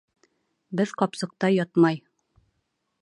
Беҙ ҡапсыҡта ятмай